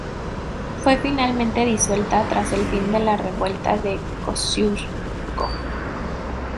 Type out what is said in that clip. Fue finalmente disuelta tras el fin de la revuelta de Kościuszko.